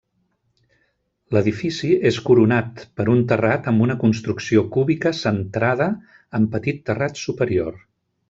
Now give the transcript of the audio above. L'edifici és coronat per un terrat amb una construcció cúbica centrada amb petit terrat superior.